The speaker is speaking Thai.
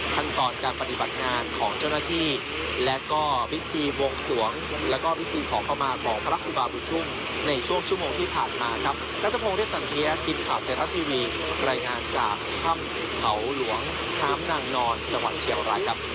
ทุ่งในช่วงชั่วโมงที่ผ่านมาครับนักจังหวงที่สังเทียคิดข่าวเทศทีวีรายงานจากห้ำเขาหลวงท้ามนางนอนจังหวัดเฉียวรักครับ